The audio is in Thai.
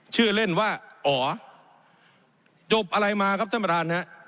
ชื่อเล่นว่าจบอะไรมาครับท่านบราณฮะ